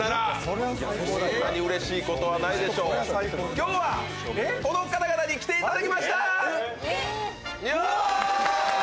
今日は、この方々に来ていただきました。